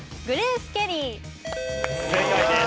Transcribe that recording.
正解です。